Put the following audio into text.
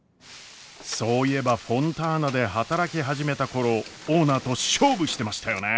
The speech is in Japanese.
そういえばフォンターナで働き始めた頃オーナーと勝負してましたよね。